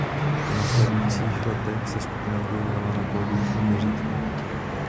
V následujících letech se skupina objevovala na pódiích jen zřídka.